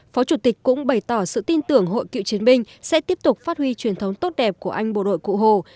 phó chủ tịch cũng bày tỏ sự tin tưởng hội cựu chiến binh sẽ tiếp tục phát huy truyền thống tốt đẹp của anh bộ đội cụ hồ